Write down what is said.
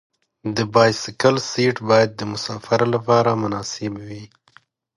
د بایسکل سیټ باید د مسافر لپاره مناسب وي.